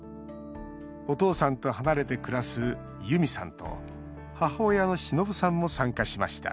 お父さんと離れて暮らすユミさんと母親の忍さんも参加しました